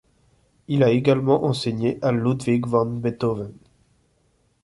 Il a également enseigné à Ludwig van Beethoven.